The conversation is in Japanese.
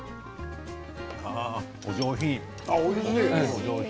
お上品。